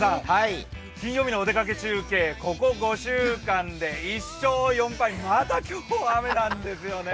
金曜日のお出かけ中継、ここ５週間で１勝４敗、また今日も雨なんですよね。